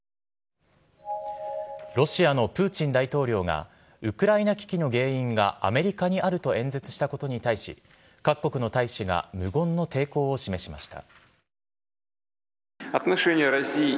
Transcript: ロシアのプーチン大統領がウクライナ危機の原因がアメリカにあると演説したことに対し各国の大使が無言の抵抗を示しました。